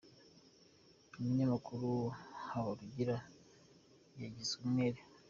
Umunyamakuru Habarugira yagizwe umwere